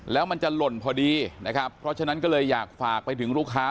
แล้วมันจะหล่นพอดีนะครับเพราะฉะนั้นก็เลยอยากฝากไปถึงลูกค้า